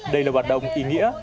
đây là hoạt động ý nghĩa